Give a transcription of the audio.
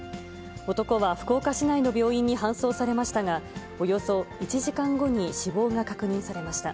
男は福岡市内の病院に搬送されましたが、およそ１時間後に死亡が確認されました。